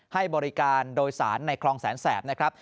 ให้บริการโดยสารในคลองแสนแสบนะครับ